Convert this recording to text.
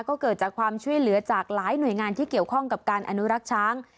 ก็เกิดจากความช่วยเหลือจากหลายหน่วยงานที่เกี่ยวข้องกับการอนุรักษ์ช้าง